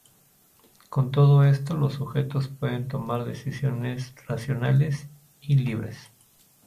Con todo esto los sujetos pueden tomar decisiones racionales y libres.